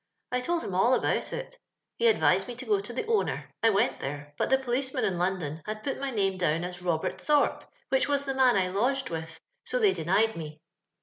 I told him all about it He advised me to go to the owner. I went there ; but the policeman in London had put my name down as Hubert Thorpe, which was the man I lodged with ; so they denied me.